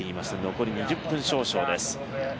残り２０分少々です。